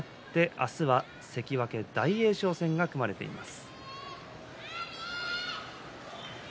明日は関脇大栄翔戦が組まれています。